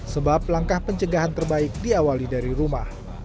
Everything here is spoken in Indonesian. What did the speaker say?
sebab langkah pencegahan terbaik diawali dari rumah